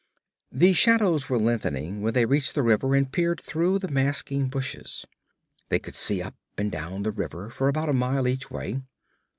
The shadows were lengthening when they reached the river and peered through the masking bushes. They could see up and down the river for about a mile each way.